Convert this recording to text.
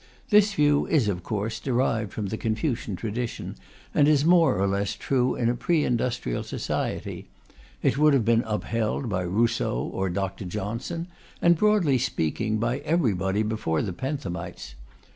This view is, of course, derived from the Confucian tradition, and is more or less true in a pre industrial society. It would have been upheld by Rousseau or Dr. Johnson, and broadly speaking by everybody before the Benthamites.